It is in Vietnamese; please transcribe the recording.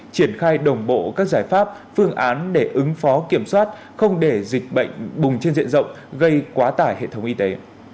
triển khai đồng bộ các giải pháp phương án để ứng phó kiểm soát không để dịch bệnh bùng trên diện rộng gây quá tải hệ thống y tế